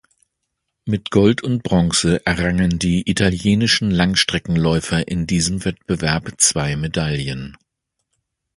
Mit Gold und Bronze errangen die italienischen Langstreckenläufer in diesem Wettbewerb zwei Medaillen.